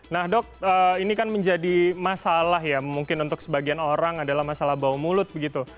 nah dok ini kan menjadi masalah ya mungkin untuk sebagian orang adalah masalah bau mulut begitu